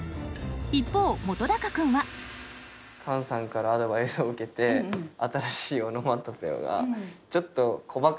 一方本君はカンさんからアドバイスを受けて新しいオノマトペがちょっとなるほど。